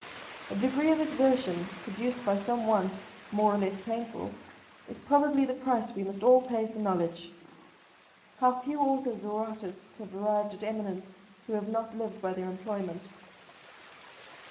A degree of exertion, produced by some want, more or less painful, is probably the price we must all pay for knowledge. How few authors or artists have arrived at eminence who have not lived by their employment?